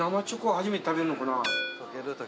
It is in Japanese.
初めて食べるのかな。